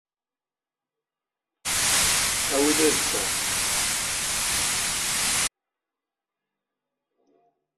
D ayen tmegreḍ ara tesrewreḍ.